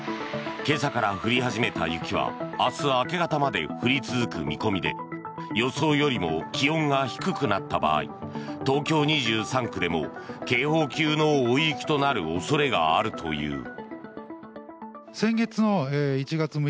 今朝から降り始めた雪は明日明け方まで降り続く見込みで予想よりも気温が低くなった場合東京２３区でも警報級の大雪となる恐れがあるという。